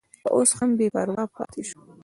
که اوس هم بې پروا پاتې شو.